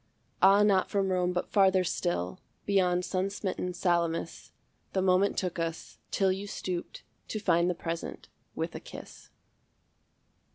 Ah, not from Rome but farther still, Beyond sun smitten Salamis, The moment took us, till you stooped To find the present with a kiss.